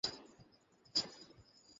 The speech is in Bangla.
নিচে রাখো বক্স।